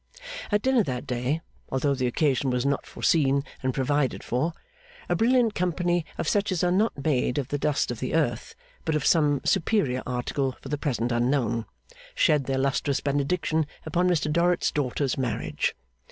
At dinner that day, although the occasion was not foreseen and provided for, a brilliant company of such as are not made of the dust of the earth, but of some superior article for the present unknown, shed their lustrous benediction upon Mr Dorrit's daughter's marriage.